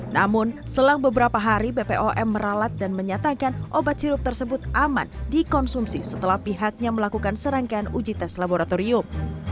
namun selang beberapa hari bpom meralat dan menyatakan obat sirup tersebut aman dikonsumsi setelah pihaknya melakukan serangkaian uji tes laboratorium